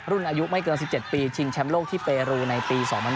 อายุไม่เกิน๑๗ปีชิงแชมป์โลกที่เปรูในปี๒๐๑